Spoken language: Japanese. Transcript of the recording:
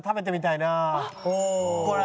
これ。